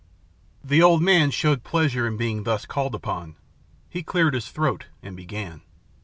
II THE old man showed pleasure in being thus called upon. He cleared his throat and began.